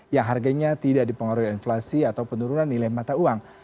yang harganya tidak dipengaruhi inflasi atau penurunan nilai mata uang